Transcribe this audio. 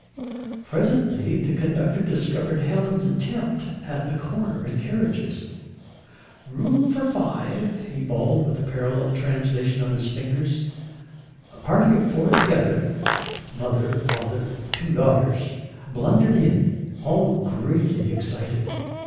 Presently the conductor discovered Helen's attempt at a corner in carriages. "Room for five," he bawled with a parallel translation on his fingers. A party of four together mother, father, and two daughters blundered in, all greatly excited.